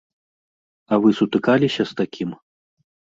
А вы сутыкаліся з такім?